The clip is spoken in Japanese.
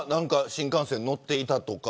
新幹線に乗っていたとか。